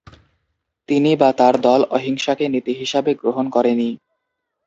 তিনি বা তার দল অহিংসাকে নীতি হিসাবে গ্রহণ করেনি।